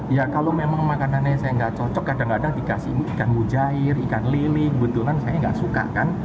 ya kalau memang makanannya saya nggak cocok kadang kadang dikasih ikan mujair ikan lili kebetulan saya nggak suka kan